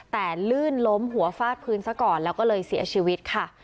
แต่ลื่นล้มหัวฟาดพื้นซะก่อนแล้วก็เลยเสียชีวิตค่ะ